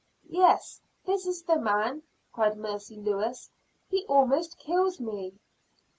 "Yes, this is the man," cried Mercy Lewis, "he almost kills me."